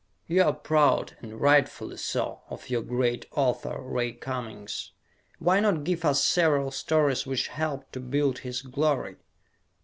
You are proud and rightfully so of your great author, Ray Cummings. Why not give us several stories which helped to build his glory?